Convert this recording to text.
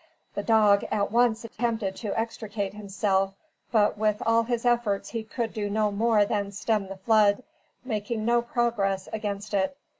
The dog at once attempted to extricate himself, but with all his efforts he could do no more than stem the flood, making no progress against it.